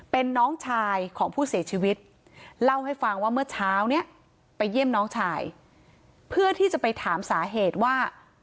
ไปเยี่ยมน้องชายเพื่อที่จะไปถามสาเหตุว่า